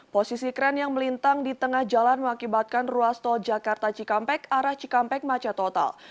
posisi kren yang melintang di tengah jalan mengakibatkan ruas tol jakarta cikampek arah cikampek macet total